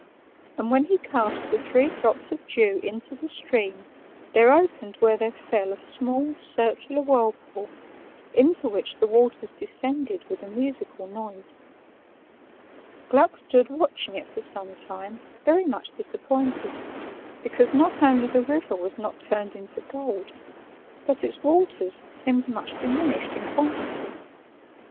And when he cast the three drops of dew into the stream, there opened where they fell a small, circular whirlpool, into which the waters descended with a musical noise. Gluck stood watching it for some time, very much disappointed, because not only the river was not turned into gold, but its waters seemed much diminished in quantity.